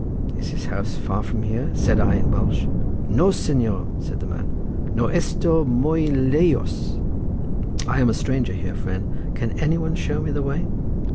"Is his house far from here?" said I in Welsh. "No, señor!" said the man, "no esta muy lejos." "I am a stranger here, friend, can anybody show me the way?"